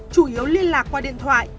chủ yếu liên lạc qua điện thoại